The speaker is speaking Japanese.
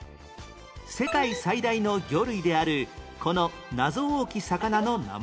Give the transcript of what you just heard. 世界最大の魚類であるこの謎多き魚の名前は？